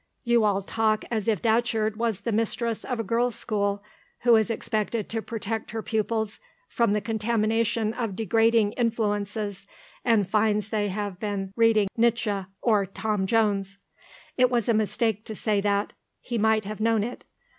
"You all talk as if Datcherd was the mistress of a girls' school, who is expected to protect her pupils from the contamination of degrading influences and finds they have been reading Nietsche or Tom Jones." It was a mistake to say that. He might have known it.